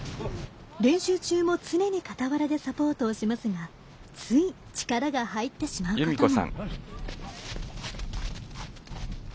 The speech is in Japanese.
練習中も常に傍らでサポートをしますがつい力が入ってしまうことも。